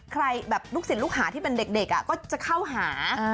ใครแบบลูกศิษย์ลูกหาที่เป็นเด็กก็จะเข้าหา